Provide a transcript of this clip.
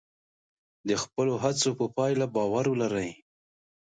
د خپلو هڅو په پایله باور ولرئ.